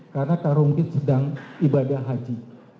karena karungkit sedang ibadah haji